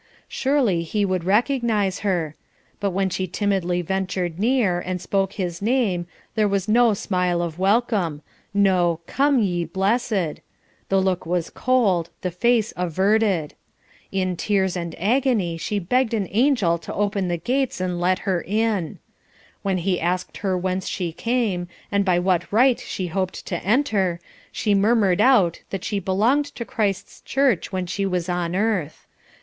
Surely he would recognise her; but when she timidly ventured nearer, and spoke his name, there was no smile of welcome, no "Come, ye blessed;" the look was cold, the face averted. In tears and agony she begged an angel to open the gates and let her in. When he asked her whence she came, and by what right she hoped to enter, she murmured out that she belonged to Christ's church when she was on earth.